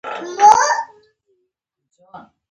د سوداګرۍ د پراختیا لامل شوه